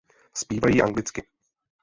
Zpívají anglicky.